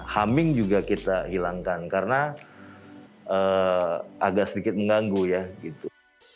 huming juga kita hilangkan karena agak sedikit mengganggu ya gitu